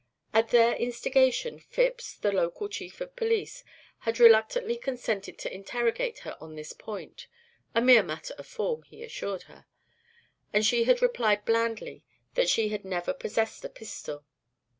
At their instigation, Phipps, the local chief of police, had reluctantly consented to interrogate her on this point (a mere matter of form, he assured her), and she had replied blandly that she never had possessed a pistol.